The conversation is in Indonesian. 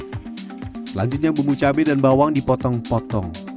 selanjutnya bumbu cabai dan bawang dipotong potong